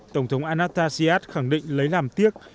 tổng thống anastasiad khẳng định lấy làm tiếc